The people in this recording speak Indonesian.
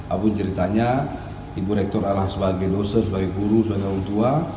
apun ceritanya ibu rektor adalah sebagai dosa sebagai guru sebagai untua